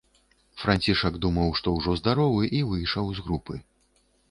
Францішак думаў, што ўжо здаровы, і выйшаў з групы.